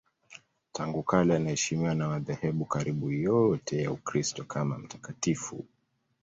Tangu kale anaheshimiwa na madhehebu karibu yote ya Ukristo kama mtakatifu.